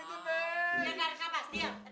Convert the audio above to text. frey tapi itu deh